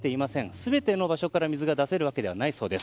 全ての場所から水が出されているわけではないんです。